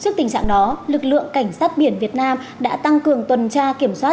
trước tình trạng đó lực lượng cảnh sát biển việt nam đã tăng cường tuần tra kiểm soát